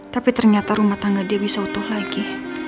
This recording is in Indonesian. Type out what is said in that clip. tapi ternyata rumah tangga dia bisa utuh lagi